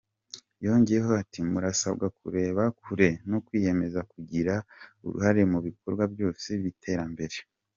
Yongeyeho ati “Murasabwa kureba kure no kwiyemeza kugira uruhare mu bikorwa byose by’iterambere.